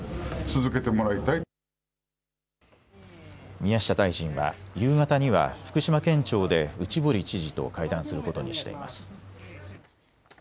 宮下大臣は夕方には福島県庁で内堀知事と会談することにしています。